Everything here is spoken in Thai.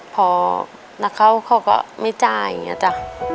พอนักเข้าเขาก็ไม่จ่ายอย่างนี้จ้ะ